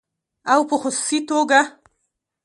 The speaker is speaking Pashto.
او په خصوصي توګه